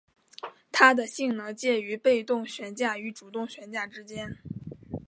它的性能介于被动悬架与主动悬架之间。